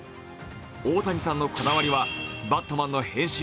大谷さんのこだわりはバットマンの変身